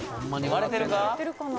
割れてるかな？